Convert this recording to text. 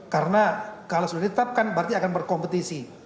karena kalau sudah ditetapkan berarti akan berkompetisi